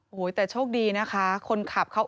โอ้โหแต่โชคดีนะคะคนขับเขา